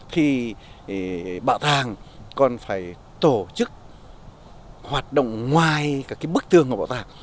thì bảo tàng còn phải tổ chức hoạt động ngoài các bức tường của bảo tàng